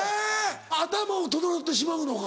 頭も整ってしまうのか。